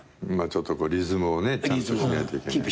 リズムをねちゃんとしないといけない。